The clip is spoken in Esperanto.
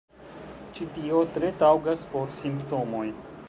Ĉi tio tre taŭgas por Simptomoj.